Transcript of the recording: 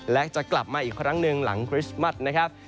และจะกลับมาอีกครั้งหนึ่งหลังคริสต์มัสนะครับ